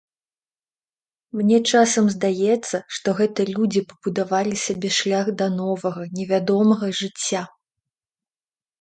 Мне часам здаецца, што гэта людзі пабудавалі сабе шлях да новага, невядомага жыцця.